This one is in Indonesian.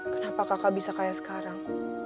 kenapa kakak bisa kayak sekarang